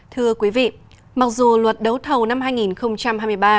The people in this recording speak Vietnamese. thưa quý vị mặc dù luật đấu thầu năm hai nghìn hai mươi ba